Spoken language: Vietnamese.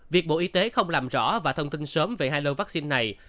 việc bộ y tế không làm rõ và thông tin về vaccine này